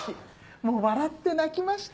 もう笑って泣きました。